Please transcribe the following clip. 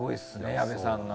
矢部さんが。